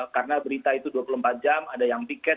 karena berita itu dua puluh empat jam ada yang tiket